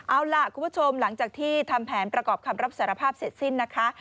เอาล่ะคุณผู้ชมหลังจากที่ทำแผนประกอบคำรับสารภาพเสร็จสิ้นนะคะ